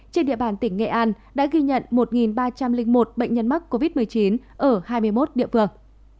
trên địa bàn tỉnh nghệ an đã ghi nhận một ba trăm linh một bệnh nhân mắc covid một mươi chín ở hai mươi một địa phương